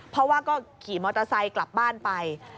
เพราะว่าก็ขี่มอเตอร์ไซค์กลับบ้านไป